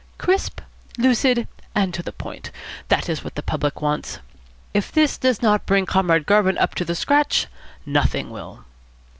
.. Crisp, lucid, and to the point. That is what the public wants. If this does not bring Comrade Garvin up to the scratch, nothing will."